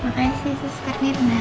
makasih sistar nirna